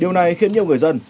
điều này khiến nhiều người dân